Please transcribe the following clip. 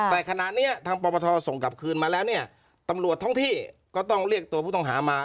แต่ขณะนี้ทางปปทส่งกลับคืนมาแล้วเนี่ยตำรวจท้องที่ก็ต้องเรียกตัวผู้ต้องหามา